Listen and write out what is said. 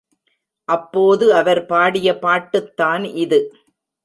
அப்போது அவர் பாடிய பாட்டுத்தான் இது!